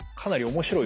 面白い。